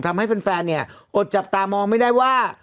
ทำให้แฟนเนี่ยอดจับตามองไม่ได้ว่า